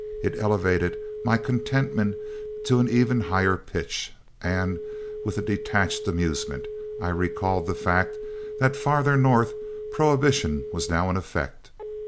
It elevated my contentment to an even higher pitch, and, with a detached amusement, I recalled the fact that farther north prohibition was now in effect.